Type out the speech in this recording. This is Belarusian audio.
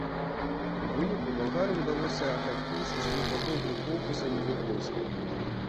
У выніку балгарам ўдалося ахапіць з двух бакоў групоўку саюзных войскаў.